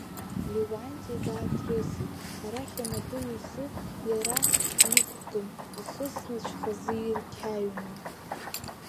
Леуанти дааҭрысит, арахь анапы ҩзы иара иқәкын, ахыснацәа хазы иркьаҩны.